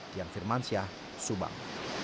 dian firmansyah subang